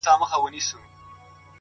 هره ستونزه د حل نوې دروازه ده